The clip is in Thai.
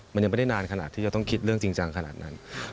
มันยังไม่ได้นานขนาดที่จะต้องคิดเรื่องจริงจังขนาดนั้น